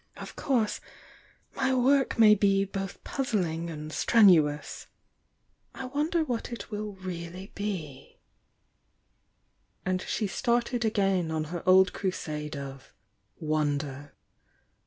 Of course my work may be both puzzling and strenuous— I wonder what it will really be?" ,,„ And she started again on her old crusade of won der."